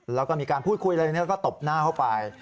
เราก็มีการพูดคุยอะไรอย่างนี้แล้วก็ตบหน้าเข้าไป